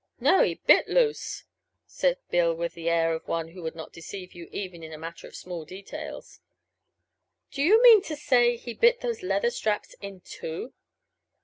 "No, he bit loose," said Bill with the air of one who would not deceive you even in a matter of small details. "Do you mean to say he bit those leather straps in two?"